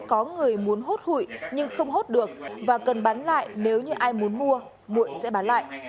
có người muốn hốt hụi nhưng không hốt được và cần bán lại nếu như ai muốn mua mụi sẽ bán lại